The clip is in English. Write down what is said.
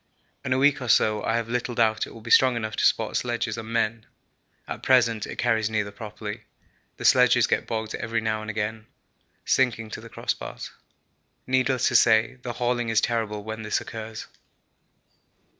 In a week or so I have little doubt it will be strong enough to support sledges and men. At present it carries neither properly. The sledges get bogged every now and again, sinking to the crossbars. Needless to say, the hauling is terrible when this occurs.